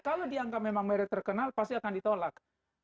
kalau dianggap memang merek terkenal pasti akan ditolak